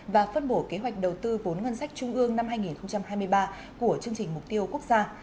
và phân bổ kế hoạch đầu tư vốn ngân sách trung ương năm hai nghìn hai mươi ba của chương trình mục tiêu quốc gia